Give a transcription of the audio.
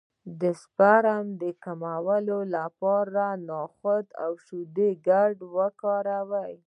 د سپرم د کموالي لپاره د نخود او شیدو ګډول وکاروئ